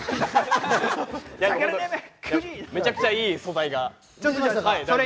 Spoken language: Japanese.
めちゃくちゃいい素材ができました。